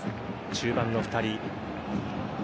中盤の２人。